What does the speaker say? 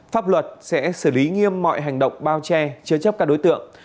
pháp luật sẽ xử lý nghiêm mọi hành động bao che chứa chấp các đối tượng